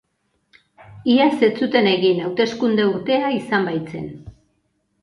Iaz ez zuten egin, hauteskunde urtea izan baitzen.